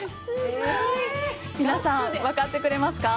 皆さん、分かってくれますか！？